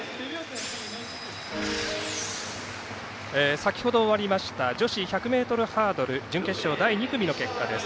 先ほど終わった女子１００ｍハードル準決勝第２組の結果です。